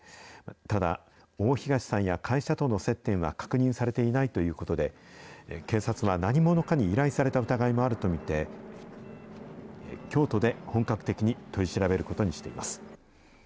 ただ、大東さんや会社との接点は確認されていないということで、警察は何者かに依頼された疑いもあると見て、京都で本格的に取り調べることにしています。